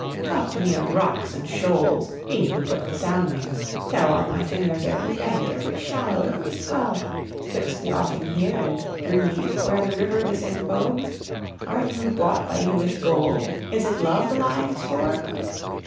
Talk to me of rocks and shoals, me who took the soundings, tell On my fingers every bank, every shallow, every swell, 'Twixt the offing here and Grève where the river disembogues? Are you bought by English gold? Is it love the lying's for?